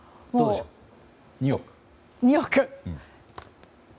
２億。